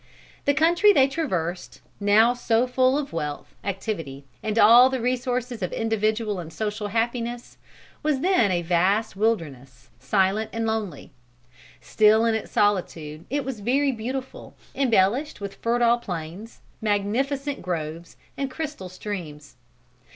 The country they traversed, now so full of wealth, activity, and all the resources of individual and social happiness, was then a vast wilderness, silent and lonely. Still in its solitude it was very beautiful, embellished with fertile plains, magnificent groves, and crystal streams.